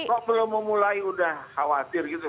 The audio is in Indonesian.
kok belum memulai udah khawatir gitu